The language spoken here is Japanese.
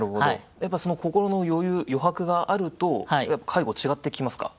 やっぱり心の余裕余白があると介護違ってきますか？